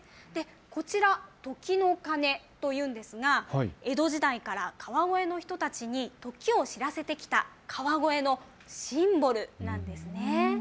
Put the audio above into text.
こちら、時の鐘というんですが江戸時代から川越の人たちに時を知らせてきた川越のシンボルなんです。